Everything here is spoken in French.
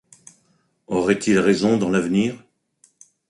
Auraient-ils raison dans l’avenir